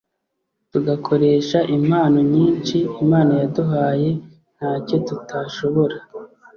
tugakoresha impano nyinshi Imana yaduhaye ntacyo tutashobora